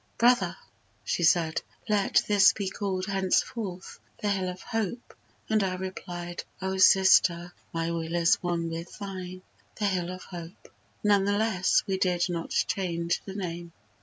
'Brother,' she said, 'let this be call'd henceforth The Hill of Hope'; and I replied: 'O sister, My will is one with thine; the Hill of Hope.' Nevertheless, we did not change the name.